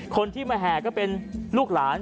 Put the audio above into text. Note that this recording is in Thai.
คนที่มาแห่ก็เป็นลูกหลาน